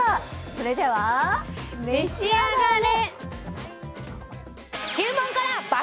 それでは、召し上がれ！